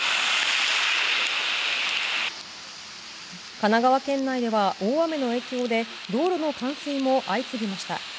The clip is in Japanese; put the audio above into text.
神奈川県内では大雨の影響で道路の冠水も相次ぎました。